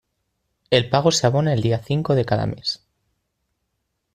El pago se abona el día cinco de cada mes.